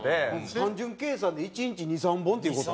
単純計算で１日２３本っていう事？